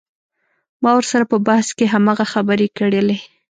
ما ورسره په بحث کښې هماغه خبرې کړلې.